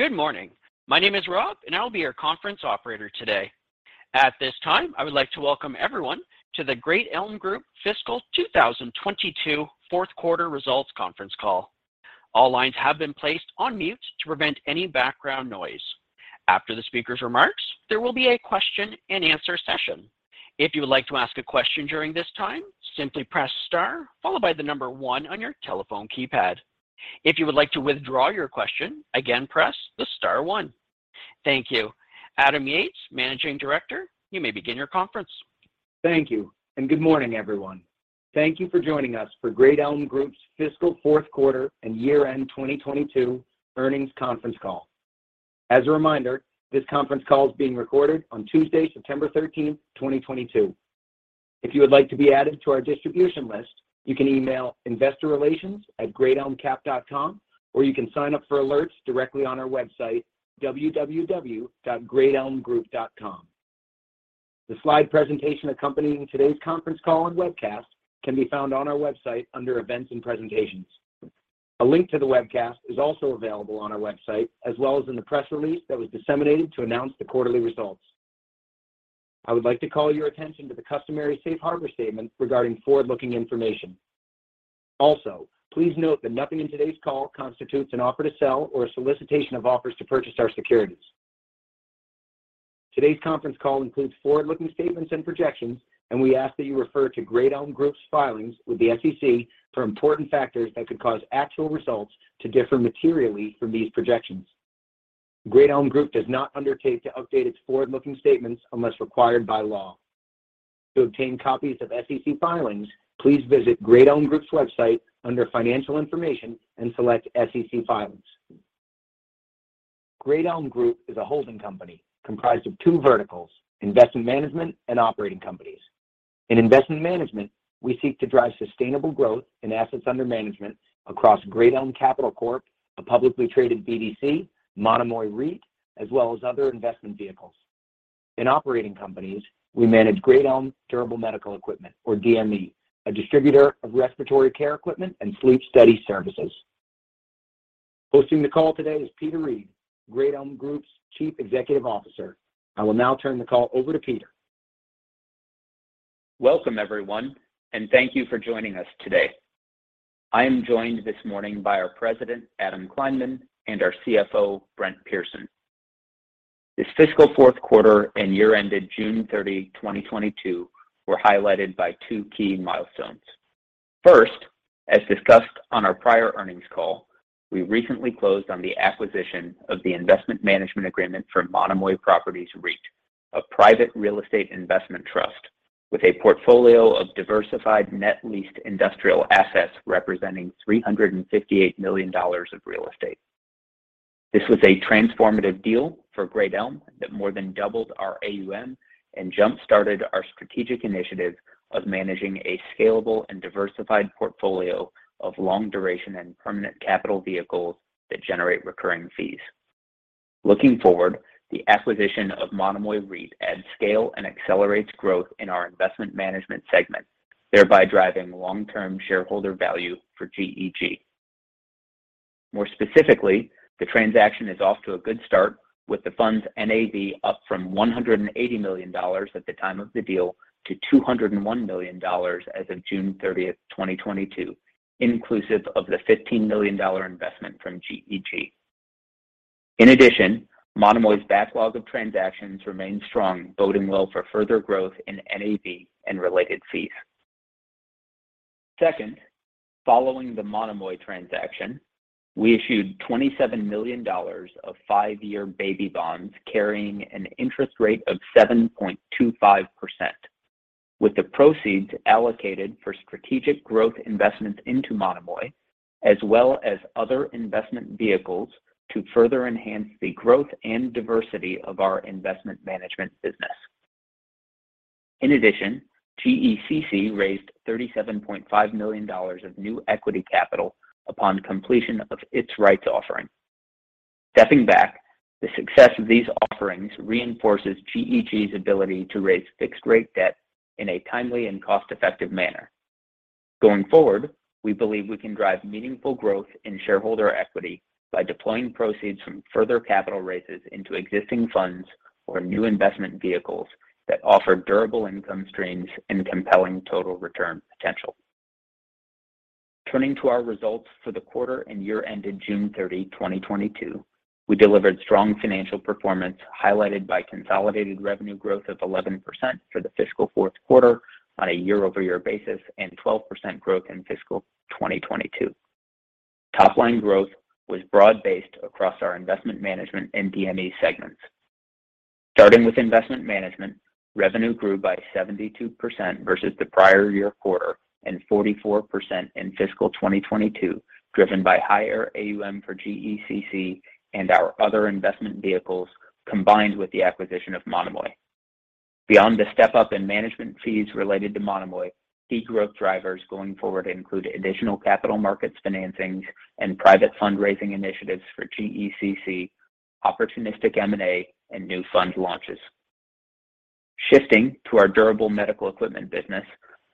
Good morning. My name is Rob, and I will be your conference operator today. At this time, I would like to welcome everyone to the Great Elm Group Fiscal 2022 Fourth Quarter Results Conference Call. All lines have been placed on mute to prevent any background noise. After the speaker's remarks, there will be a question-and-answer session. If you would like to ask a question during this time, simply press star followed by the number 1 on your telephone keypad. If you would like to withdraw your question, again, press the star 1. Thank you. Adam Yates, Managing Director, you may begin your conference. Thank you, and good morning, everyone. Thank you for joining us for Great Elm Group's fiscal fourth quarter and year-end 2022 earnings conference call. As a reminder, this conference call is being recorded on Tuesday, September 13, 2022. If you would like to be added to our distribution list, you can email investorrelations@greatelmcap.com, or you can sign up for alerts directly on our website, www.greatelmgroup.com. The slide presentation accompanying today's conference call and webcast can be found on our website under Events and Presentations. A link to the webcast is also available on our website as well as in the press release that was disseminated to announce the quarterly results. I would like to call your attention to the customary safe harbor statement regarding forward-looking information. Also, please note that nothing in today's call constitutes an offer to sell or a solicitation of offers to purchase our securities. Today's conference call includes forward-looking statements and projections, and we ask that you refer to Great Elm Group's filings with the SEC for important factors that could cause actual results to differ materially from these projections. Great Elm Group does not undertake to update its forward-looking statements unless required by law. To obtain copies of SEC filings, please visit Great Elm Group's website under Financial Information and select SEC Filings. Great Elm Group is a holding company comprised of two verticals, investment management and operating companies. In investment management, we seek to drive sustainable growth in assets under management across Great Elm Capital Corp, a publicly traded BDC, Monomoy REIT, as well as other investment vehicles. In operating companies, we manage Great Elm Durable Medical Equipment, or DME, a distributor of respiratory care equipment and sleep study services. Hosting the call today is Peter Reed, Great Elm Group's Chief Executive Officer. I will now turn the call over to Peter. Welcome, everyone, and thank you for joining us today. I am joined this morning by our President, Adam Kleinman, and our CFO, Brent Pearson. This fiscal fourth quarter and year ended June 30, 2022 were highlighted by two key milestones. First, as discussed on our prior earnings call, we recently closed on the acquisition of the investment management agreement for Monomoy Properties REIT, a private real estate investment trust with a portfolio of diversified net leased industrial assets representing $358 million of real estate. This was a transformative deal for Great Elm Group that more than doubled our AUM and jump-started our strategic initiative of managing a scalable and diversified portfolio of long-duration and permanent capital vehicles that generate recurring fees. Looking forward, the acquisition of Monomoy REIT adds scale and accelerates growth in our investment management segment, thereby driving long-term shareholder value for GEG. More specifically, the transaction is off to a good start with the fund's NAV up from $180 million at the time of the deal to $201 million as of June 30, 2022, inclusive of the $15 million investment from GEG. In addition, Monomoy's backlog of transactions remains strong, boding well for further growth in NAV and related fees. Second, following the Monomoy transaction, we issued $27 million of five-year baby bonds carrying an interest rate of 7.25%, with the proceeds allocated for strategic growth investments into Monomoy as well as other investment vehicles to further enhance the growth and diversity of our investment management business. In addition, GECC raised $37.5 million of new equity capital upon completion of its rights offering. Stepping back, the success of these offerings reinforces GEG's ability to raise fixed-rate debt in a timely and cost-effective manner. Going forward, we believe we can drive meaningful growth in shareholder equity by deploying proceeds from further capital raises into existing funds or new investment vehicles that offer durable income streams and compelling total return potential. Turning to our results for the quarter and year ended June 30, 2022, we delivered strong financial performance highlighted by consolidated revenue growth of 11% for the fiscal fourth quarter on a year-over-year basis and 12% growth in fiscal 2022. Top-line growth was broad-based across our investment management and DME segments. Starting with investment management, revenue grew by 72% versus the prior year quarter and 44% in fiscal 2022, driven by higher AUM for GECC and our other investment vehicles combined with the acquisition of Monomoy. Beyond the step-up in management fees related to Monomoy, key growth drivers going forward include additional capital markets financings and private fundraising initiatives for GECC, opportunistic M&A, and new fund launches. Shifting to our durable medical equipment business,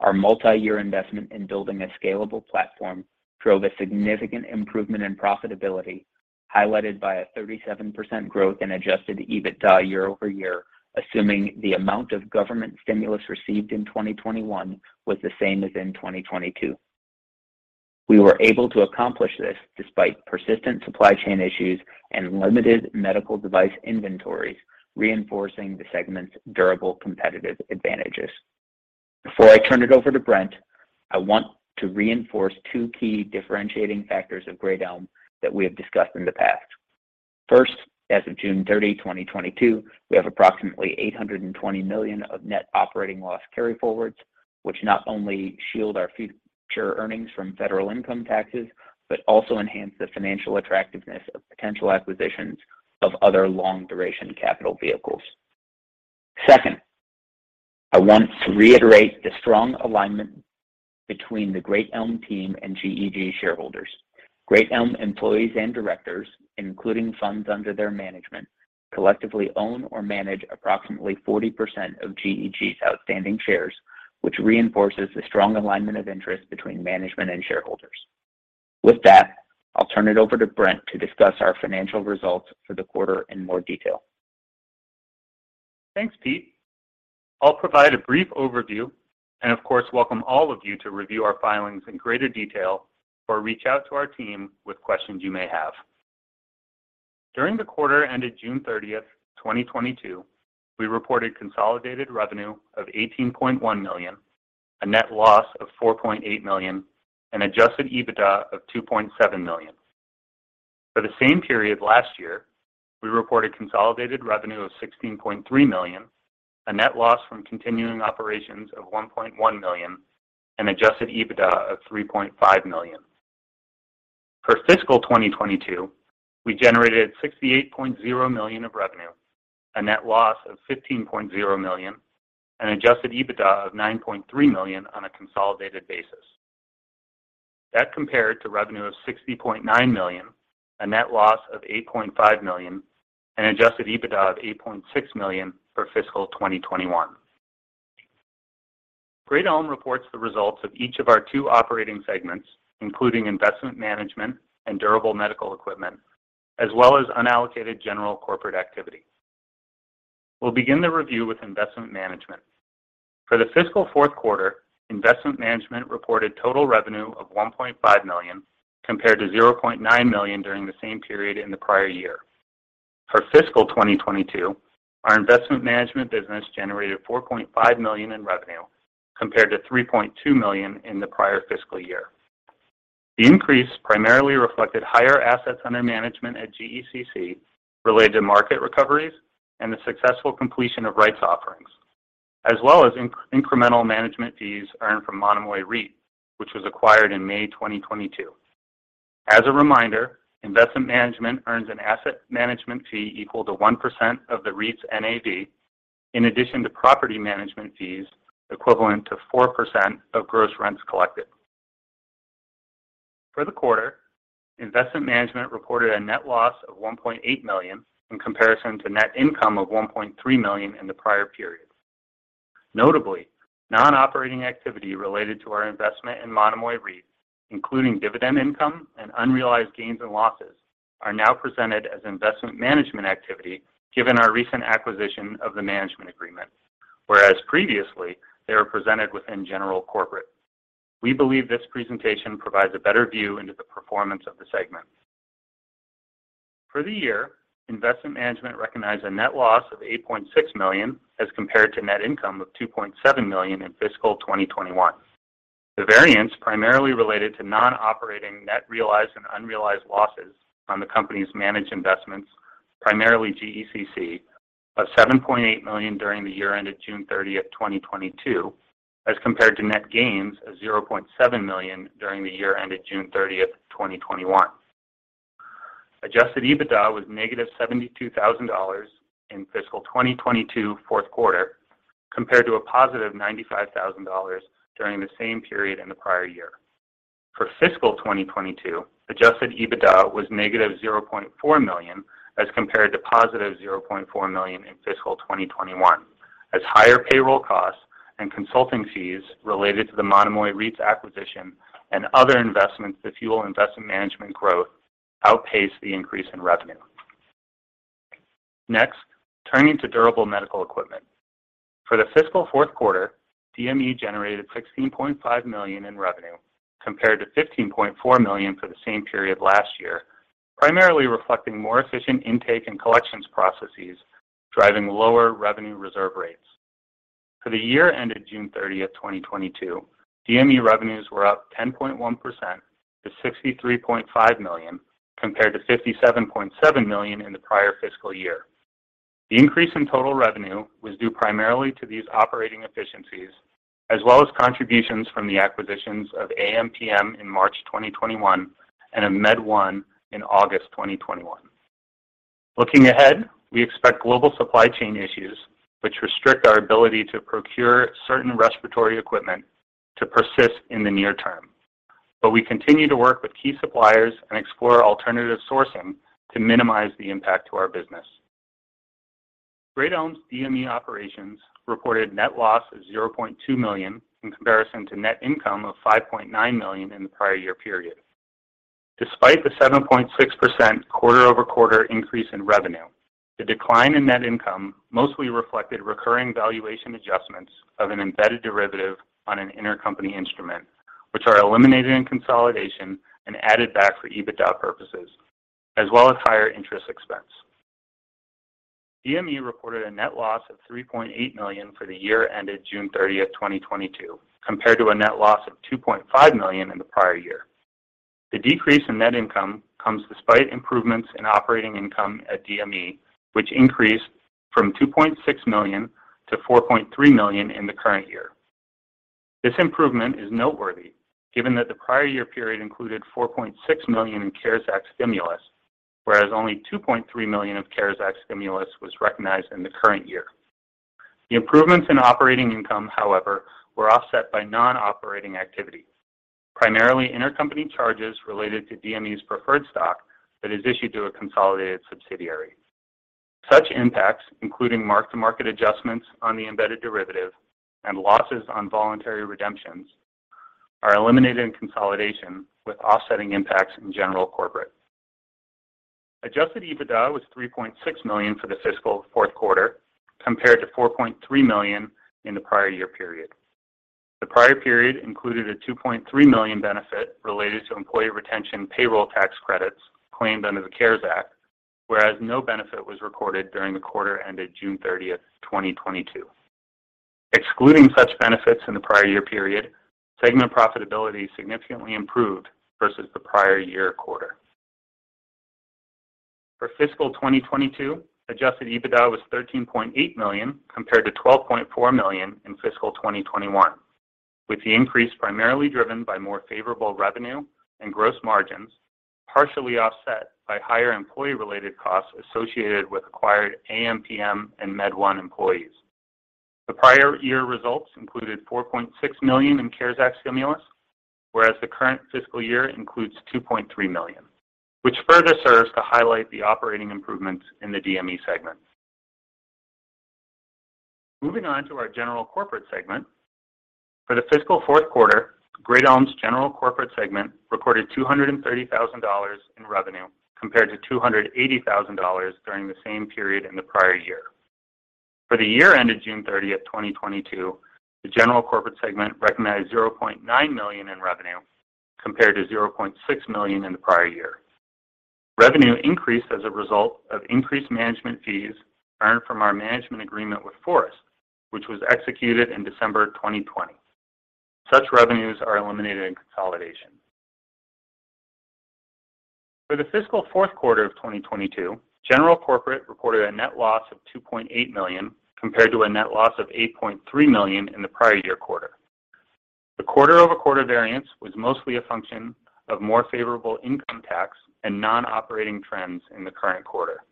our multi-year investment in building a scalable platform drove a significant improvement in profitability, highlighted by a 37% growth in adjusted EBITDA year-over-year, assuming the amount of government stimulus received in 2021 was the same as in 2022. We were able to accomplish this despite persistent supply chain issues and limited medical device inventories, reinforcing the segment's durable competitive advantages. Before I turn it over to Brent, I want to reinforce two key differentiating factors of Great Elm that we have discussed in the past. First, as of June 30, 2022, we have approximately $820 million of net operating loss carryforwards, which not only shield our future earnings from federal income taxes, but also enhance the financial attractiveness of potential acquisitions of other long-duration capital vehicles. Second, I want to reiterate the strong alignment between the Great Elm team and GEG shareholders. Great Elm employees and directors, including funds under their management, collectively own or manage approximately 40% of GEG's outstanding shares, which reinforces the strong alignment of interest between management and shareholders. With that, I'll turn it over to Brent to discuss our financial results for the quarter in more detail. Thanks, Pete. I'll provide a brief overview and of course, welcome all of you to review our filings in greater detail or reach out to our team with questions you may have. During the quarter ended June 30, 2022, we reported consolidated revenue of $18.1 million, a net loss of $4.8 million, and adjusted EBITDA of $2.7 million. For the same period last year, we reported consolidated revenue of $16.3 million, a net loss from continuing operations of $1.1 million, and adjusted EBITDA of $3.5 million. For fiscal 2022, we generated $68.0 million of revenue, a net loss of $15.0 million, and adjusted EBITDA of $9.3 million on a consolidated basis. That compared to revenue of $60.9 million, a net loss of $8.5 million, and adjusted EBITDA of $8.6 million for fiscal 2021. Great Elm reports the results of each of our two operating segments, including investment management and durable medical equipment, as well as unallocated general corporate activity. We'll begin the review with investment management. For the fiscal fourth quarter, Investment Management reported total revenue of $1.5 million, compared to $0.9 million during the same period in the prior year. For fiscal 2022, our investment management business generated $4.5 million in revenue, compared to $3.2 million in the prior fiscal year. The increase primarily reflected higher assets under management at GECC related to market recoveries and the successful completion of rights offerings, as well as incremental management fees earned from Monomoy REIT, which was acquired in May 2022. As a reminder, Investment Management earns an asset management fee equal to 1% of the REIT's NAV, in addition to property management fees equivalent to 4% of gross rents collected. For the quarter, Investment Management reported a net loss of $1.8 million in comparison to net income of $1.3 million in the prior period. Notably, non-operating activity related to our investment in Monomoy REIT, including dividend income and unrealized gains and losses, are now presented as investment management activity given our recent acquisition of the management agreement. Whereas previously, they were presented within general corporate. We believe this presentation provides a better view into the performance of the segment. For the year, Investment Management recognized a net loss of $8.6 million as compared to net income of $2.7 million in fiscal 2021. The variance primarily related to non-operating net realized and unrealized losses on the company's managed investments, primarily GECC, of $7.8 million during the year ended June 30, 2022, as compared to net gains of $0.7 million during the year ended June 30, 2021. Adjusted EBITDA was negative $72,000 in fiscal 2022 fourth quarter, compared to a positive $95,000 during the same period in the prior year. For fiscal 2022, adjusted EBITDA was negative $0.4 million as compared to positive $0.4 million in fiscal 2021. As higher payroll costs and consulting fees related to the Monomoy REIT's acquisition and other investments that fuel investment management growth outpaced the increase in revenue. Next, turning to durable medical equipment. For the fiscal fourth quarter, DME generated $16.5 million in revenue compared to $15.4 million for the same period last year, primarily reflecting more efficient intake and collections processes, driving lower revenue reserve rates. For the year ended June 30, 2022, DME revenues were up 10.1% to $63.5 million, compared to $57.7 million in the prior fiscal year. The increase in total revenue was due primarily to these operating efficiencies as well as contributions from the acquisitions of AM and PM in March 2021 and of MedOne in August 2021. Looking ahead, we expect global supply chain issues which restrict our ability to procure certain respiratory equipment to persist in the near term. We continue to work with key suppliers and explore alternative sourcing to minimize the impact to our business. Great Elm DME operations reported net loss of $0.2 million in comparison to net income of $5.9 million in the prior year period. Despite the 7.6% quarter-over-quarter increase in revenue, the decline in net income mostly reflected recurring valuation adjustments of an embedded derivative on an intercompany instrument, which are eliminated in consolidation and added back for EBITDA purposes, as well as higher interest expense. DME reported a net loss of $3.8 million for the year ended June thirtieth, 2022, compared to a net loss of $2.5 million in the prior year. The decrease in net income comes despite improvements in operating income at DME, which increased from $2.6 million to $4.3 million in the current year. This improvement is noteworthy given that the prior year period included $4.6 million in CARES Act stimulus, whereas only $2.3 million of CARES Act stimulus was recognized in the current year. The improvements in operating income, however, were offset by non-operating activity, primarily intercompany charges related to DME's preferred stock that is issued to a consolidated subsidiary. Such impacts, including mark-to-market adjustments on the embedded derivative and losses on voluntary redemptions, are eliminated in consolidation with offsetting impacts in general corporate. Adjusted EBITDA was $3.6 million for the fiscal fourth quarter compared to $4.3 million in the prior year period. The prior period included a $2.3 million benefit related to employee retention payroll tax credits claimed under the CARES Act, whereas no benefit was recorded during the quarter ended June 30, 2022. Excluding such benefits in the prior year period, segment profitability significantly improved versus the prior year quarter. For fiscal 2022, adjusted EBITDA was $13.8 million compared to $12.4 million in fiscal 2021, with the increase primarily driven by more favorable revenue and gross margins, partially offset by higher employee-related costs associated with acquired AMPM and Med One employees. The prior year results included $4.6 million in CARES Act stimulus, whereas the current fiscal year includes $2.3 million, which further serves to highlight the operating improvements in the DME segment. Moving on to our general corporate segment. For the fiscal fourth quarter, Great Elm's general corporate segment recorded $230,000 in revenue compared to $280,000 during the same period in the prior year. For the year ended June 30, 2022, the general corporate segment recognized $0.9 million in revenue compared to $0.6 million in the prior year. Revenue increased as a result of increased management fees earned from our management agreement with Forest, which was executed in December 2020. Such revenues are eliminated in consolidation. For the fiscal fourth quarter of 2022, general corporate reported a net loss of $2.8 million compared to a net loss of $8.3 million in the prior year quarter. The quarter-over-quarter variance was mostly a function of more favorable income tax and non-operating trends in the current quarter.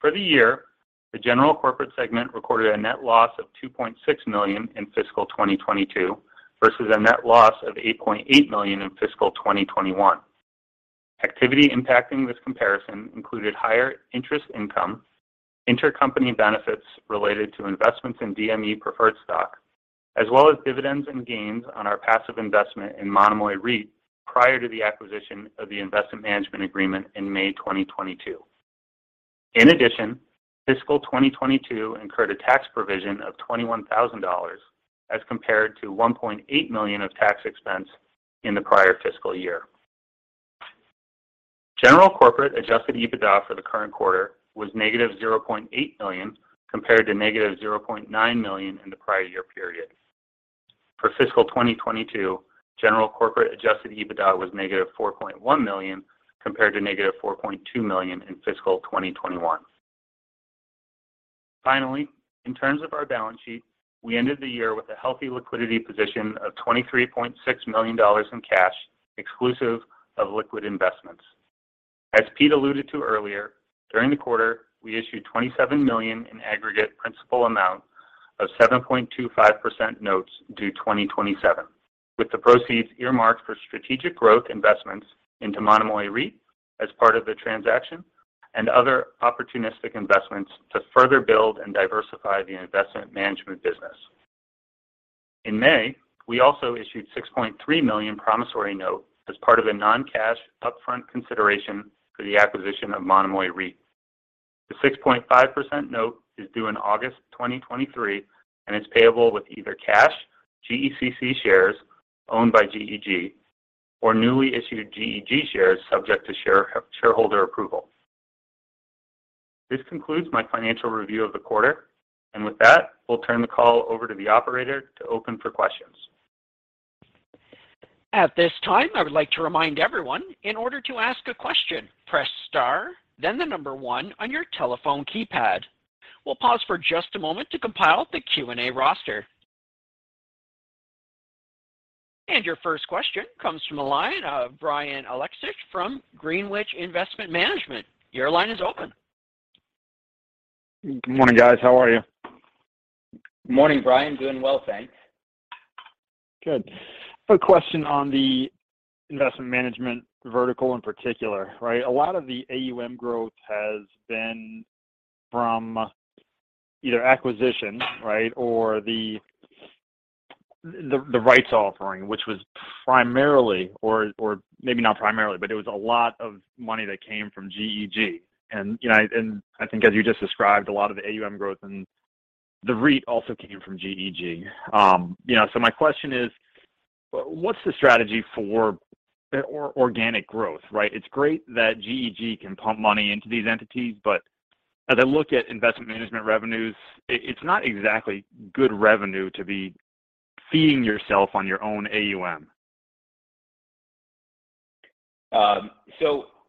For the year, the general corporate segment recorded a net loss of $2.6 million in fiscal 2022 versus a net loss of $8.8 million in fiscal 2021. Activity impacting this comparison included higher interest income, intercompany benefits related to investments in DME preferred stock, as well as dividends and gains on our passive investment in Monomoy REIT prior to the acquisition of the investment management agreement in May 2022. In addition, fiscal 2022 incurred a tax provision of $21,000 as compared to $1.8 million of tax expense in the prior fiscal year. General corporate adjusted EBITDA for the current quarter was negative $0.8 million compared to negative $0.9 million in the prior year period. For fiscal 2022, general corporate adjusted EBITDA was negative $4.1 million compared to negative $4.2 million in fiscal 2021. Finally, in terms of our balance sheet, we ended the year with a healthy liquidity position of $23.6 million in cash, exclusive of liquid investments. As Pete alluded to earlier, during the quarter, we issued $27 million in aggregate principal amount of 7.25% notes due 2027, with the proceeds earmarked for strategic growth investments into Monomoy REIT as part of the transaction and other opportunistic investments to further build and diversify the investment management business. In May, we also issued $6.3 million promissory note as part of a non-cash upfront consideration for the acquisition of Monomoy REIT. The 6.5% note is due in August 2023 and is payable with either cash, GECC shares owned by GEG, or newly issued GEG shares subject to shareholder approval. This concludes my financial review of the quarter. With that, we'll turn the call over to the operator to open for questions. At this time, I would like to remind everyone in order to ask a question, press star then the number one on your telephone keypad. We'll pause for just a moment to compile the Q&A roster. Your first question comes from the line of Brian Aleksa from Greenwich Investment Management. Your line is open. Good morning, guys. How are you? Morning, Brian. Doing well, thanks. Good. I have a question on the investment management vertical in particular, right? A lot of the AUM growth has been from either acquisition, right, or the rights offering, which was primarily, or maybe not primarily, but it was a lot of money that came from GEG. You know, I think as you just described, a lot of the AUM growth and the REIT also came from GEG. You know, my question is, what's the strategy for organic growth, right? It's great that GEG can pump money into these entities, but as I look at investment management revenues, it's not exactly good revenue to be feeding yourself on your own AUM.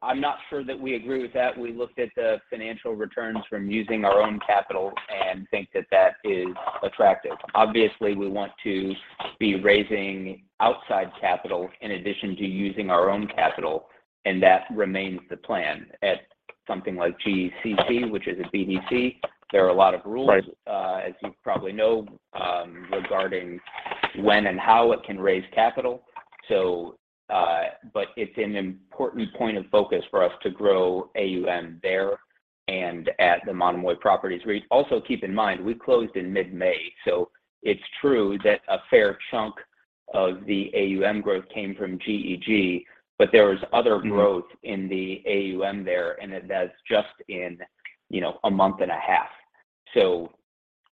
I'm not sure that we agree with that. We looked at the financial returns from using our own capital and think that is attractive. Obviously, we want to be raising outside capital in addition to using our own capital, and that remains the plan. At something like GECC, which is a BDC, there are a lot of rules. Right As you probably know, regarding when and how it can raise capital. It's an important point of focus for us to grow AUM there and at the Monomoy Properties REIT. Also, keep in mind, we closed in mid-May, so it's true that a fair chunk of the AUM growth came from GEG. There was other growth in the AUM there, and that's just in, you know, a month and a half.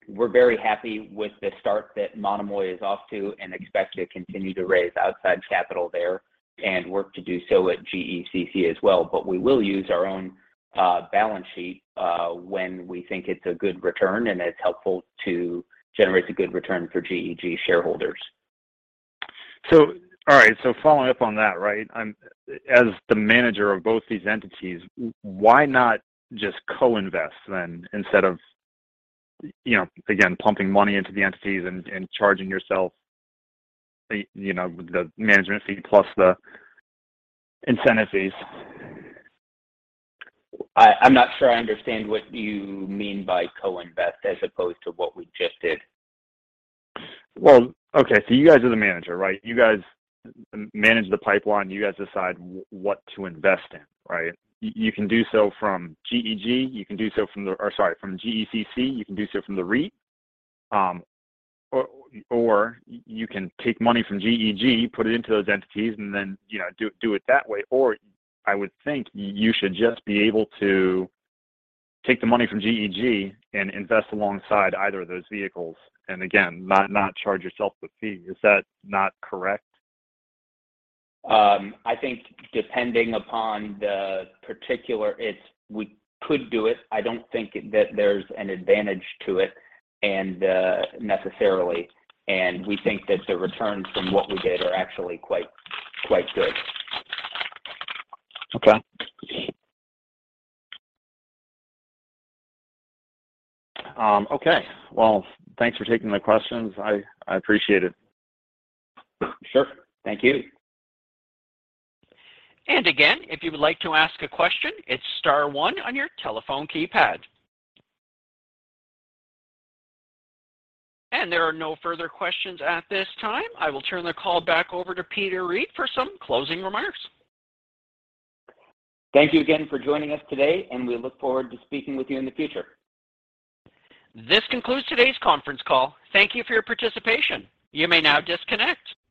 We're very happy with the start that Monomoy is off to and expect to continue to raise outside capital there and work to do so at GECC as well. We will use our own balance sheet when we think it's a good return and it's helpful to generate a good return for GEG shareholders. All right. Following up on that, right? As the manager of both these entities, why not just co-invest then instead of, you know, again, pumping money into the entities and charging yourself, you know, the management fee plus the incentive fees? I'm not sure I understand what you mean by co-invest as opposed to what we just did. Well, okay. You guys are the manager, right? You guys manage the pipeline. You guys decide what to invest in, right? You can do so from GEG. You can do so from GECC. You can do so from the REIT. Or you can take money from GEG, put it into those entities, and then, you know, do it that way. Or I would think you should just be able to take the money from GEG and invest alongside either of those vehicles, and again, not charge yourself the fee. Is that not correct? I think it's, we could do it. I don't think that there's an advantage to it and necessarily, and we think that the returns from what we did are actually quite good. Okay. Okay. Well, thanks for taking my questions. I appreciate it. Sure. Thank you. Again, if you would like to ask a question, it's star one on your telephone keypad. There are no further questions at this time. I will turn the call back over to Peter Reed for some closing remarks. Thank you again for joining us today, and we look forward to speaking with you in the future. This concludes today's conference call. Thank you for your participation. You may now disconnect.